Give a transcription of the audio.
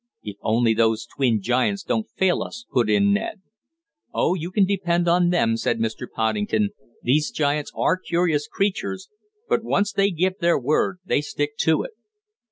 "If only those twin giants don't fail us," put in Ned. "Oh, you can depend on them," said Mr. Poddington. "These giants are curious creatures, but once they give their word they stick to it."